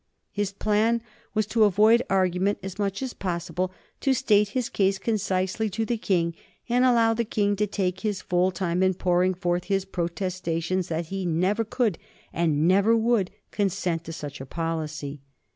His plan was to avoid argument as much as possible, to state his case concisely to the King, and allow the King to take his full time in pouring forth his protestations that he never could and never would consent to such a policy.